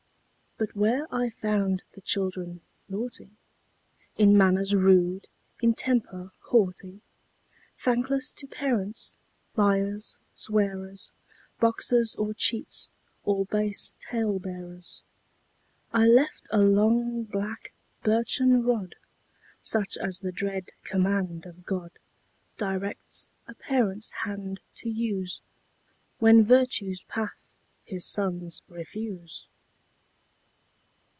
But where I found the children naughty, In manners rude, in temper haughty, Thankless to parents, liars, swearers, Boxers, or cheats, or base tale bearers, I left a long, black, birchen rod, Such as the dread command of God Directs a Parent's hand to use When virtue's path his sons refuse.